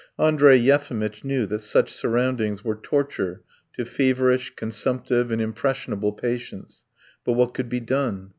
Andrey Yefimitch knew that such surroundings were torture to feverish, consumptive, and impressionable patients; but what could be done?